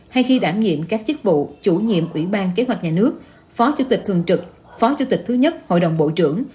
hay khi đảm nhiệm các chức vụ chủ nhiệm ủy ban kế hoạch nhà nước phó chủ tịch thường trực phó chủ tịch thứ nhất hội đồng bộ trưởng